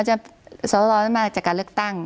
สดสอรรรรอดนี่มาจากการเลือกตั้ง